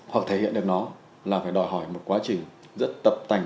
hoặc thể hiện được nó là phải đòi hỏi một quá trình rất tập tành